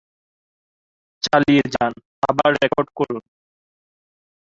পরের বছরে তাদের একমাত্র পুত্র রাম জন্মগ্রহণ করেন।